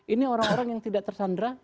ini orang orang yang tidak tersandra